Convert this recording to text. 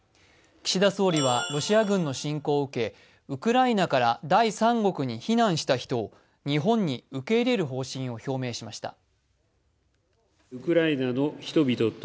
岸田総理はロシア軍の侵攻を受け、ウクライナから第三国に避難した人を日本に受け入れる方針を表明しました。